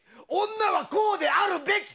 女はこうであるべき！